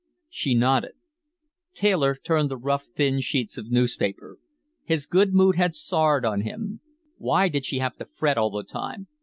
She nodded. Taylor turned the rough, thin sheets of newspaper. His good mood had soured on him. Why did she have to fret all the time?